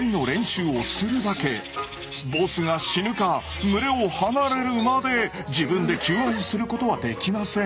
ボスが死ぬか群れを離れるまで自分で求愛することはできません。